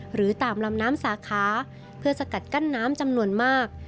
หรือตามลำน้ำสาขาเพื่อสกัดกั้นน้ำจำนวนมาก